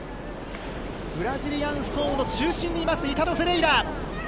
ブラジリアンストームの中心にいます、イタロ・フェレイラ。